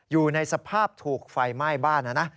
อยู่ในสภาพถูกไฟไหม้บ้านนะนะ